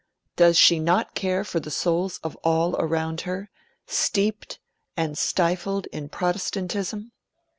Does she not care for the souls of all around her, steeped and stifled in Protestantism?